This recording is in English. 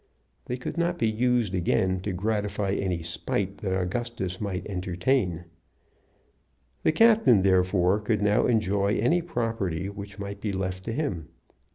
They could not be used again to gratify any spite that Augustus might entertain. The captain, therefore, could now enjoy any property which might be left to him.